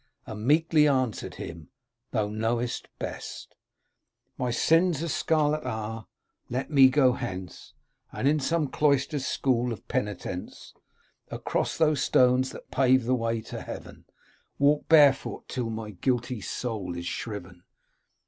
And meekly answered him :' Thou knowest best ! My sins as scarlet are ; let me go hence. And in some cloister's school of penitence. Across those stones that pave the way to heaven Walk barefoot, till my guilty soul is shriven